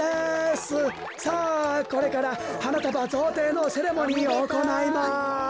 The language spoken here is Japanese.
さあこれからはなたばぞうていのセレモニーをおこないます！